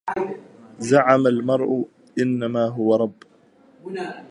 زعم المرء إنما هو رب